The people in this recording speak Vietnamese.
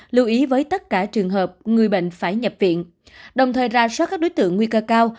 lưu ý với tất cả trường hợp người bệnh phải nhập viện đồng thời ra soát các đối tượng nguy cơ cao